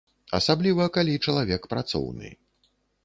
Асабліва калі чалавек працоўны.